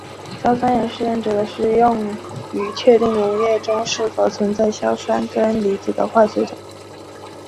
硝酸盐试验指的是用于确定溶液中是否存在硝酸根离子的化学测试。